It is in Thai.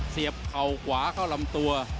เข่าขวาเข้าลำตัว